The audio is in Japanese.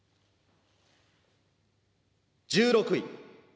１６位。